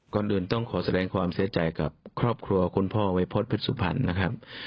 ก่อนอื่นต้องขอแสดงความเสียใจกับครอบครัวคุณพ่อวัยพฤษเพชรสุพรรณนะครับ